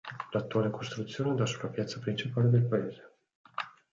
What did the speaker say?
L'attuale costruzione dà sulla piazza principale del paese.